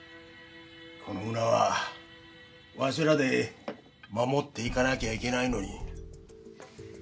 この村はわしらで守っていかなきゃいけないのに。